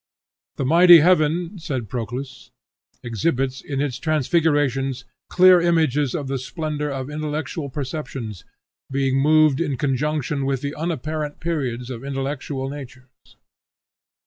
"The mighty heaven," said Proclus, "exhibits, in its transfigurations, clear images of the splendor of intellectual perceptions; being moved in conjunction with the unapparent periods of intellectual natures."